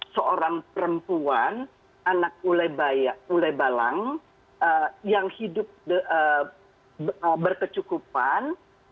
seorang perempuan anak ule balang yang hidup berkecukupan